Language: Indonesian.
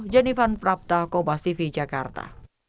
janifan praptah kompastv jakarta